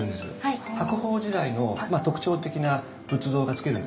白鳳時代の特徴的な仏像がつけるんですね。